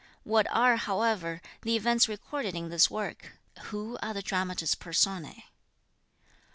What are, however, the events recorded in this work? Who are the dramatis personae?